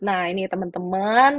nah ini teman teman